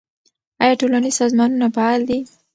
آیا ټولنیز سازمانونه فعال دي؟